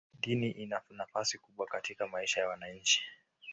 Dini ina nafasi kubwa katika maisha ya wananchi.